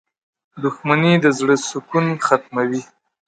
• دښمني د زړۀ سکون ختموي.